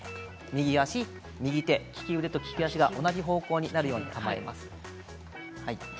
右足右手、利き腕と利き足が同じ方向になるようにします。